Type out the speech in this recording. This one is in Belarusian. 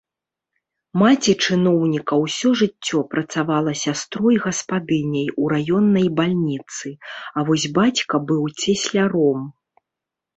Маці чыноўніка ўсё жыццё працавала сястрой-гаспадыняй у раённай бальніцы, а вось бацька быў цесляром.